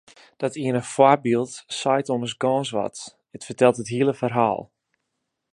Dat iene foarbyld seit ommers gâns wat, it fertelt it hiele ferhaal.